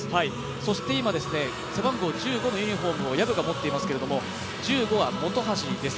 そして今、背番号１５のユニフォームを薮が持っていますけど１５は本橋です。